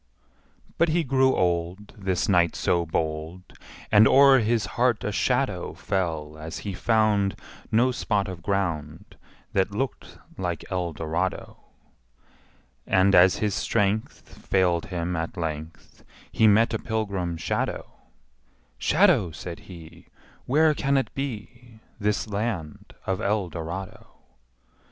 But he grew old, This knight so bold, And o'er his heart a shadow Fell as he found No spot of ground That looked like Eldorado. And, as his strength Failed him at length, He met a pilgrim shadow: ``Shadow,'' says he, ``Where can it be, This land of Eldorado?''